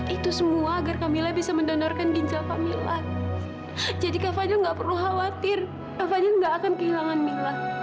itu semua agar kamila bisa mendonorkan ginjal kamila jadi kak fadil nggak perlu khawatir kak fadil nggak akan kehilangan mila